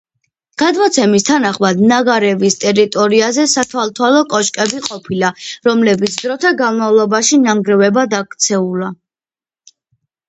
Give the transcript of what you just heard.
გადმოცემის თანახმად ნაგარევის ტერიტორიაზე სათვალთვალო კოშკები ყოფილა, რომლებიც დროთა განმავლობაში ნანგრევებად ქცეულა.